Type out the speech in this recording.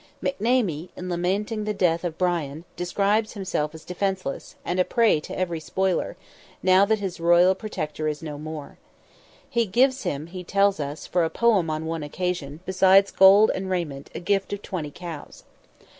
McNamee, in lamenting the death of Brian, describes himself as defenceless, and a prey to every spoiler, now that his royal protector is no more. He gave him, he tells us, for a poem on one occasion, besides gold and raiment, a gift of twenty cows.